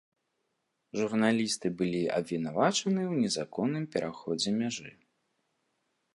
Журналісты былі абвінавачаны ў незаконным пераходзе мяжы.